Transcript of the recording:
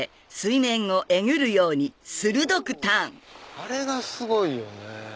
あれがすごいよね。